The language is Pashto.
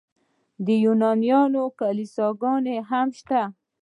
د یونانیانو کلیساګانې هم شته.